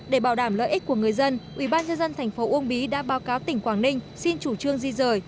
để bảo đảm lợi ích của người dân ubnd tp uông bí đã báo cáo tỉnh quảng ninh xin chủ trương di rời